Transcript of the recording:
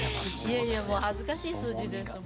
いえいえもう恥ずかしい数字ですもう。